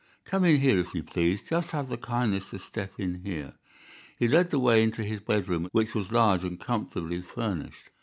"Come in here, if you please. Just have the kindness to step in here." He led the way into his bedroom, which was large and comfortably furnished.